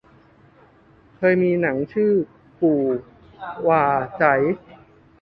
เคยมีหนังชื่อกู่หว่าไจ๋